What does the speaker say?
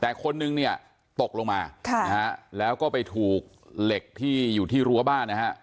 แต่คนนึงเนี่ยตกลงมาแล้วก็ไปถูกเหล็กที่อยู่ที่รั้วบ้านนะฮะ